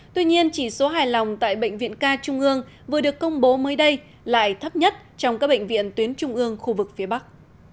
tuy nhiên chỉ số hài lòng tại bệnh viện ca trung ương vừa được công bố mới đây lại thấp nhất trong các bệnh viện tuyến trung ương khu vực phía bắc